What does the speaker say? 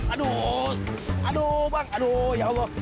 aduh aduh bang aduh ya allah